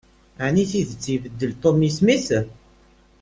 Ɛni d tidet ibeddel Tom isem-is?